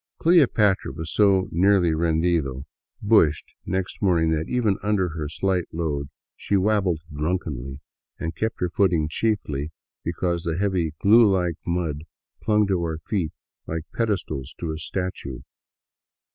" Cleopatra " was so nearly rendido —" bushed "— next morning that, even under her slight load, she wabbled drunkenly and kept her footing chiefly because the heavy, glue like mud clung to our feet like pedestals to a statue.